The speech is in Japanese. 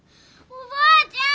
おばあちゃん！